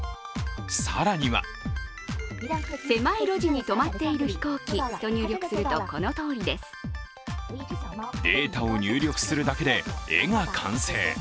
更にはデータを入力するだけで絵が完成。